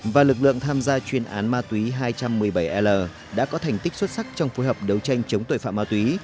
và lực lượng tham gia chuyên án ma túy hai trăm một mươi bảy l đã có thành tích xuất sắc trong phối hợp đấu tranh chống tội phạm ma túy